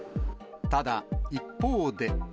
ただ、一方で。